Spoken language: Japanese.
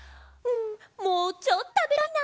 んもうちょっとたべたいな。